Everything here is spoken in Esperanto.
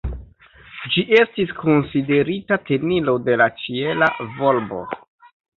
Ĝi estis konsiderita tenilo de la ĉiela volbo.